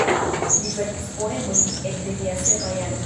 Li verkis poemojn ekde lia sepa jaro.